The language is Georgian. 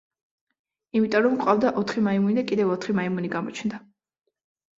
იმიტომ, რომ გვყავდა ოთხი მაიმუნი და კიდევ ოთხი მაიმუნი გამოჩნდა.